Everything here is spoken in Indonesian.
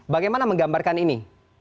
bagaimana menggambarkan ini